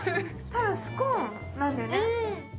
多分スコーンなんだよね。